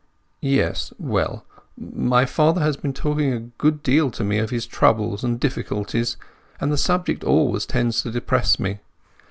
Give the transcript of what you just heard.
"Yes—well, my father had been talking a good deal to me of his troubles and difficulties, and the subject always tends to depress me.